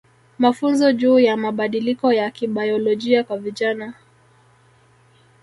Mafunzo juu ya mabadiliko ya kibayolojia kwa vijana